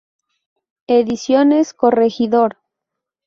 Ediciones Corregidor.